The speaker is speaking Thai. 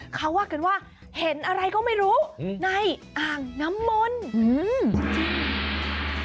เขาว่ากันว่าเห็นอะไรก็ไม่รู้ในอ่างน้ำมนต์อืม